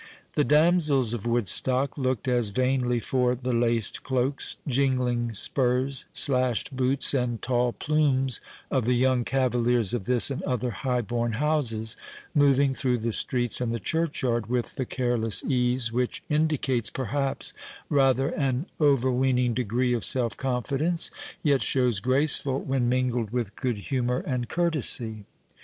The damsels of Woodstock looked as vainly for the laced cloaks, jingling spurs, slashed boots, and tall plumes, of the young cavaliers of this and other high born houses, moving through the streets and the church yard with the careless ease, which indicates perhaps rather an overweening degree of self confidence, yet shows graceful when mingled with good humour and courtesy.